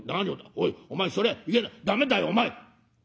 おいお前それいや駄目だよお前」。